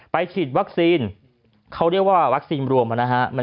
ฉีดวัคซีนเขาเรียกว่าวัคซีนรวมนะฮะ